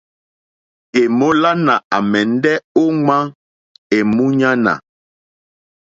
Èmólánà àmɛ́ndɛ́ ō ŋwá èmúɲánà.